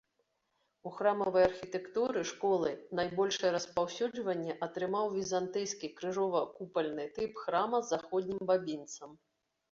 У храмавай архітэктуры школы найбольшае распаўсюджванне атрымаў візантыйскі крыжова-купальны тып храма з заходнім бабінцам.